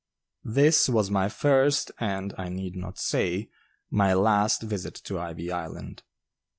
This was my first, and, I need not say, my last visit to "Ivy Island."